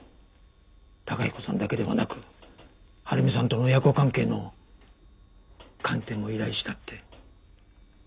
崇彦さんだけではなく晴美さんとの親子関係の鑑定も依頼したって。